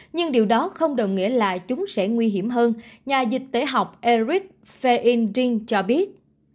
nhưng điều đó không đồng nghĩa là chúng sẽ nguy hiểm hơn nhà dịch tế học eric feindring cho biết